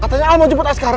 katanya aku mau jemput askara